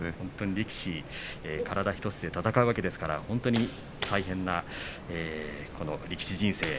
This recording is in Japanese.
力士、体１つで戦うわけですから本当に大変な力士人生。